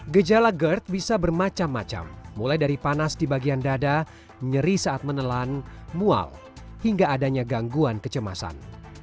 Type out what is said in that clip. gejala gerd bisa bermacam macam mulai dari panas di bagian dada nyeri saat menelan mual hingga adanya gangguan kecemasan